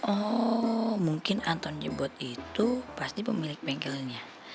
oh mungkin anton nyebut itu pasti pemilik bengkelnya